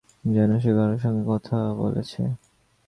যেন সে কারো সঙ্গে কথা বলছে।